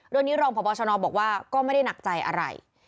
รองพบชนบอกว่าก็ไม่ได้หนักใจอะไร